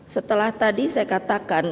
setelah tadi saya katakan